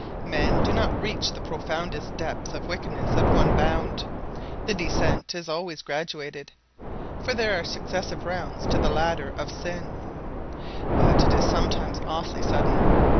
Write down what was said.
Men do not reach the profoundest depths of wickedness at one bound. The descent is always graduated for there are successive rounds to the ladder of sin but it is sometimes awfully sudden.